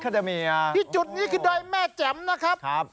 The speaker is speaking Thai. ที่จุดนี้คือด้วยแม่แจ่มนะครับ